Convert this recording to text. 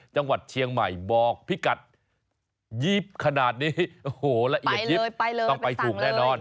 จังหวัดเชียงใหม่บอกพิกัดยิบขนาดนี้โอ้โหละเอียดยิบต้องไปถูกแน่นอน